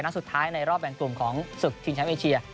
และสุดท้ายในรอบแบ่งกลุ่มของสุขทีมแชมป์เอเชีย